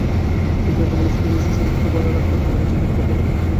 বিক্রেতারা বলছেন, ইলিশের সরবরাহ বাড়ার আগ পর্যন্ত মাছের দাম কমবে না।